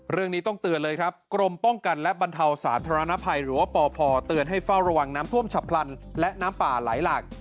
เรื่องนี้ต้องเตือนเลยครับกรมป้องกันและบรรเทาสาธารณภัยหรือว่าปพเตือนให้เฝ้าระวังน้ำท่วมฉับพลันและน้ำป่าไหลหลาก